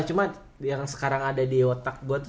cuman yang sekarang ada di otak gue tuh